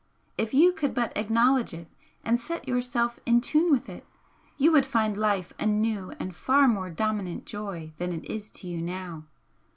If you could but acknowledge it and set yourself in tune with it you would find life a new and far more dominant joy than it is to you now.